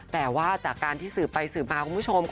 แต่ว่าจากการสืบไปสืบมาปุ่งน่าก็ยังหาซื้อไม่ได้นี่ล่ะค่ะ